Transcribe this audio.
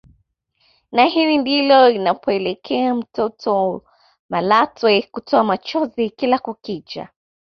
Na hili ndilo linalopelekea mtoto Malatwe kutoa machozi kila kukicha